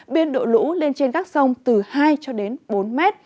bên độ lũ lên trên các sông từ hai bốn m